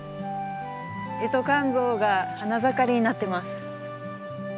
エゾカンゾウが花盛りになってます。